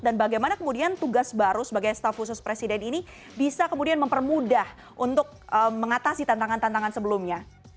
dan bagaimana kemudian tugas baru sebagai staf khusus presiden ini bisa kemudian mempermudah untuk mengatasi tantangan tantangan sebelumnya